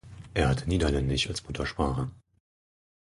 Er hatte Niederländisch als Muttersprache.